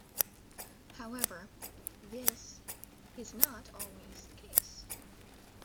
However, this is not always the case.